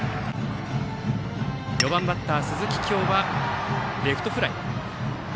４番バッター、鈴木叶はレフトフライ。